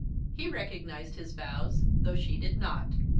He recognised his vows, though she did not.